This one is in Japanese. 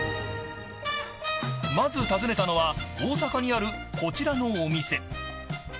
まず訪ねたのは大阪にあるこちらのお店。